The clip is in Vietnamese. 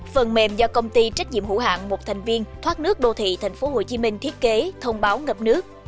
phần mềm do công ty trách nhiệm hữu hạn một thành viên thoát nước đô thị thành phố hồ chí minh thiết kế thông báo ngập nước